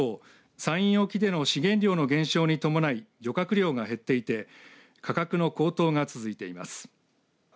山陰沖での資源量の減少に伴い漁獲量が減っていて価格の高騰が続いています。